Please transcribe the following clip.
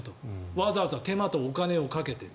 わざわざ手間とお金をかけて。